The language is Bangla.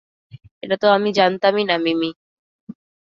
এটাতো আমি জানতাম-ই না মিমি।